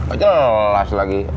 oh jelas lagi